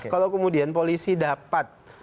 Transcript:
kalau kemudian polisi dapat